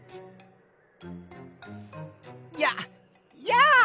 ややあ！